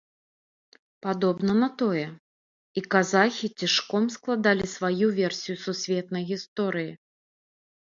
Падобна на тое, і казахі цішком складалі сваю версію сусветнай гісторыі.